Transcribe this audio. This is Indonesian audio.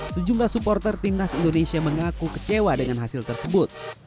sejumlah supporter timnas indonesia mengaku kecewa dengan hasil tersebut